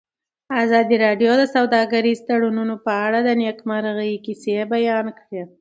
ازادي راډیو د سوداګریز تړونونه په اړه د نېکمرغۍ کیسې بیان کړې.